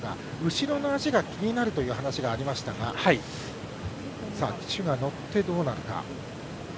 後ろの足が気になるという話がありましたが騎手が乗ってどうなるか。